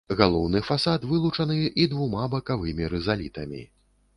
Галоўны фасад вылучаны і двумя бакавымі рызалітамі.